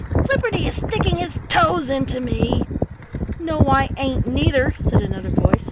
Flipperty is sticking his toes into me." "No I ain't, neither," said another voice.